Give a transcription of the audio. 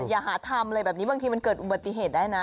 อย่าหาทำอะไรแบบนี้บางทีมันเกิดอุบัติเหตุได้นะ